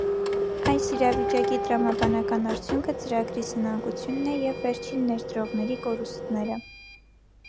Այս իրավիճակի տրամաբանական արդյունքը ծրագրի սնանկությունն է և վերջին ներդրողների կորուստները։